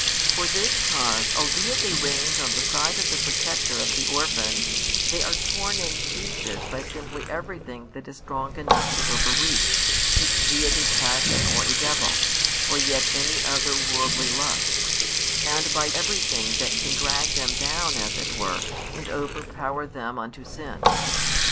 For this cause albeit they are ranged on the side of the Protector of the orphans they are torn in pieces by simply everything that is strong enough to overreach, be it a passion or a devil, or yet any other worldly lust, and by everything that can drag them down as it were and overpower them unto sin.